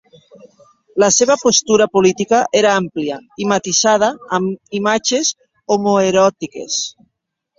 La seva postura política era àmplia i matisada amb imatges homoeròtiques.